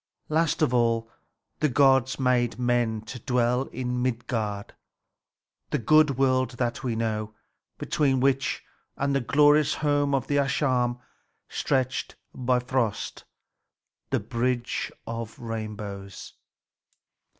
Last of all, the gods made men to dwell in Midgard, the good world that we know, between which and the glorious home of the Æsir stretched Bifröst, the bridge of rainbows.